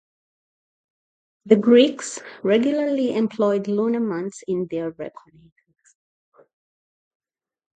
The Greeks regularly employed lunar months in their reckonings.